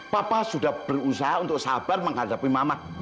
papa sudah berusaha untuk sabar menghadapi mamat